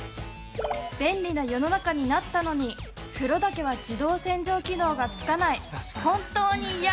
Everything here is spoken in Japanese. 便利な世の中になったのに、風呂だけは自動洗浄機能がつかない。